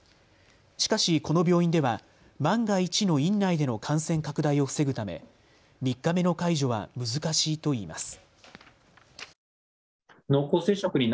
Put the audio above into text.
しかし、この病院では万が一の院内での感染拡大を防ぐため３日目の解除は難しいといいます。